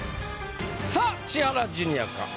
さぁ千原ジュニアか？